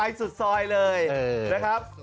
สุดซอยเลยนะครับ